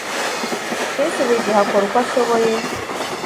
Chris buri gihe akora uko ashoboye